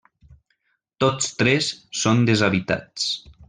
Tots tres són deshabitats.